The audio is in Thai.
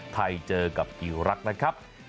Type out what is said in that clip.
ไทยเจอกับยูรักนะครับ